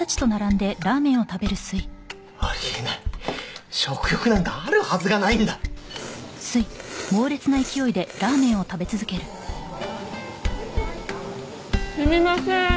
ありえない食欲なんかあるはずがないんだすみません